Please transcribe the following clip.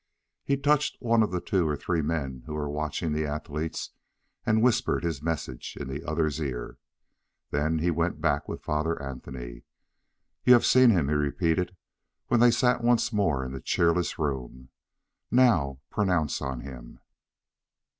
He touched one of the two or three men who were watching the athletes, and whispered his message in the other's ear. Then he went back with Father Anthony. "You have seen him," he repeated, when they sat once more in the cheerless room. "Now pronounce on him."